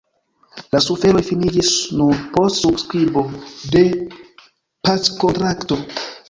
La suferoj finiĝis nur post subskribo de packontrakto.